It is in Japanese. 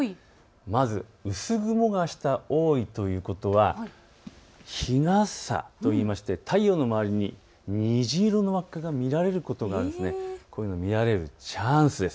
まず、薄雲があした多いということは日がさといいまして太陽の周りに水色の輪っかが見られることがあるんです。